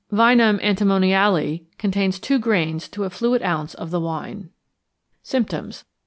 Vinum antimoniale contains 2 grains to a fluid ounce of the wine. _Symptoms.